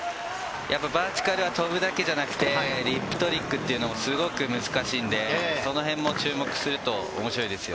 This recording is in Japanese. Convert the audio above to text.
バーチカルは飛ぶだけじゃなくてリップトリックというのもすごく難しいんで、そのへんも注目すると面白いですよ。